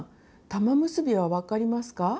玉結びは分かりますか？